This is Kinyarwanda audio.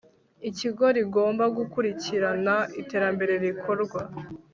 ikigo rigomba gukurikirana iterambere rikorwa